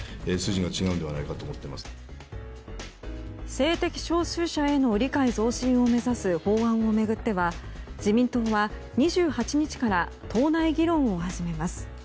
性的少数者への理解増進を目指す法案を巡っては自民党は２８日から党内議論を始めます。